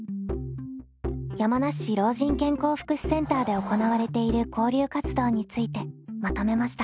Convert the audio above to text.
山梨市老人健康福祉センターで行われている交流活動についてまとめました。